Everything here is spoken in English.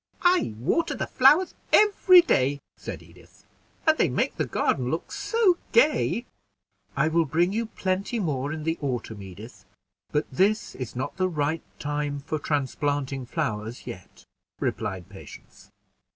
"I water the flowers every day," said Edith, "and they make the garden look so gay." "I will bring you plenty more in the autumn, Edith; but this is not the right time for transplanting flowers yet," replied Patience.